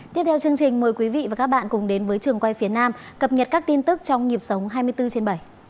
tiếp theo chương trình mời quý vị và các bạn cùng đến với trường quay phía nam cập nhật các tin tức trong nhịp sống hai mươi bốn trên bảy